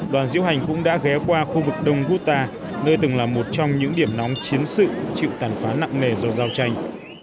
đoàn diễu hành cũng đã ghé qua khu vực đông guta nơi từng là một trong những điểm nóng chiến sự chịu tàn phá nặng nề do giao tranh